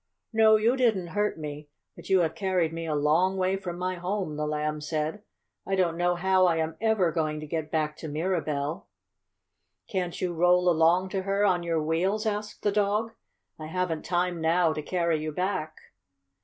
"No, you didn't hurt me, but you have carried me a long way from my home," the Lamb said. "I don't know how I am ever going to get back to Mirabell." "Can't you roll along to her on your wheels?" asked the dog. "I haven't time now to carry you back."